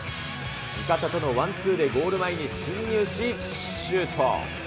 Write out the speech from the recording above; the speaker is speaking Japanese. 味方とのワンツーでゴール前に進入し、シュート。